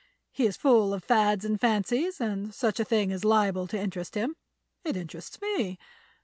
He is full of fads and fancies, and such a thing is liable to interest him. It interests me.